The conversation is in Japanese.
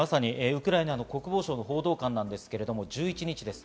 ウクライナの国防省の報道官ですが１１日です。